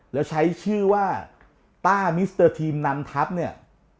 แล้วใช้ชื่อว่าต้ามิสเตอร์ทีมนำทัพเนี่ย